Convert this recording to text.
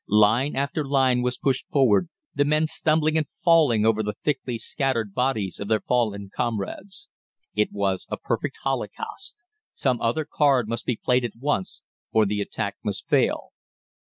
Line after line was pushed forward, the men stumbling and falling over the thickly scattered bodies of their fallen comrades. "It was a perfect holocaust. Some other card must be played at once, or the attack must fail."